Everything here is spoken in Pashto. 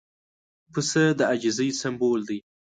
پسه د عاجزۍ سمبول دی.